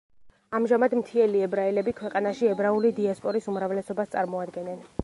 ამჟამად მთიელი ებრაელები ქვეყანაში ებრაული დიასპორის უმრავლესობას წარმოადგენენ.